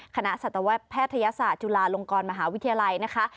สัตวแพทยศาสตร์จุฬาลงกรมหาวิทยาลัยนะคะ